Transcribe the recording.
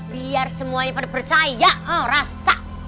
biar semuanya pada percaya rasa